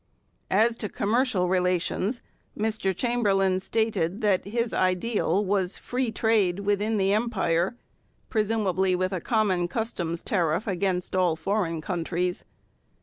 As to commercial relations, Mr Chamberlain stated that his ideal was 'free trade within the Empire,' presumably with a common customs tariff against all foreign countries.